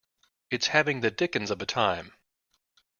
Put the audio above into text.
It's having the dickens of a time.